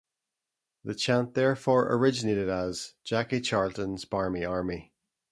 The chant therefore originated as 'Jackie Charlton's Barmy Army'.